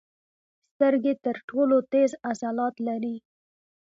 سترګې تر ټولو تېز عضلات لري.